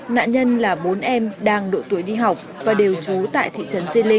nạn nhân là bốn em đang độ tuổi đi học và đều trú tại thị trấn diên linh